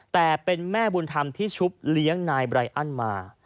แต่เป็นแม่บุญธรรมที่ชุบเลี้ยงนายไรอันมา